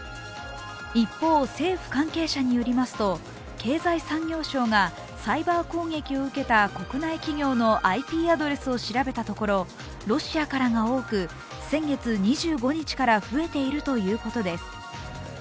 一方、政府関係者によりますと経済産業省がサイバー攻撃を受けた国内企業のＩＴアドレスを調べたところロシアからが多く、先月２５日から増えているということです。